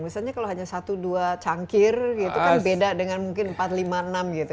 misalnya kalau hanya satu dua cangkir gitu kan beda dengan mungkin empat ratus lima puluh enam gitu